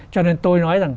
cho nên tôi nói rằng